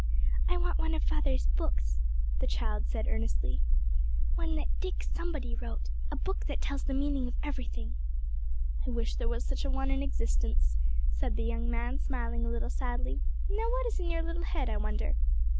'I want one of father's books,' the child said earnestly, 'one that Dick Somebody wrote a book that tells the meaning of everything.' 'I wish there was such a one in existence,' said the young man, smiling a little sadly. 'Now what is in your little head, I wonder?'